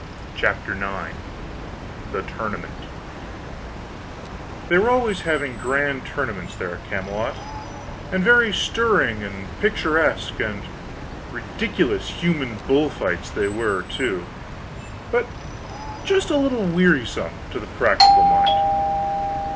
CHAPTER IX THE TOURNAMENT They were always having grand tournaments there at Camelot; and very stirring and picturesque and ridiculous human bull fights they were, too, but just a little wearisome to the practical mind.